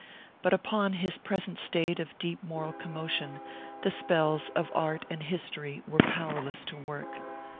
But upon his present state of deep moral commotion the spells of art and history were powerless to work.